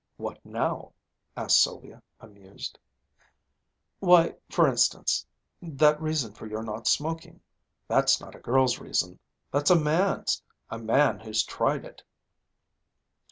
"What now?" asked Sylvia, amused. "Why, for instance, that reason for your not smoking. That's not a girl's reason. That's a man's ... a man who's tried it!"